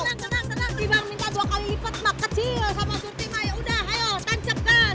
eh tenang tenang dibang minta dua kali lipat mak kecil sama surtima yaudah ayo tancapkan